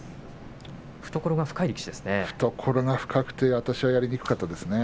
懐が深くてやりにくかったですね。